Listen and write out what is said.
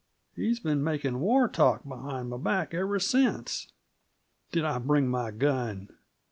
He's been makin' war talk behind m' back ever since. Did I bring m' gun!